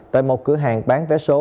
tại một cửa hàng bán vé số